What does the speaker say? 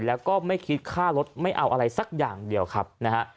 แล้วก็ไม่คิดค่ารถไม่เอาอะไรสักอย่างเดียวครับนะฮะ